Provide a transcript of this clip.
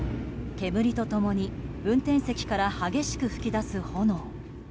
煙と共に運転席から激しく噴き出す炎。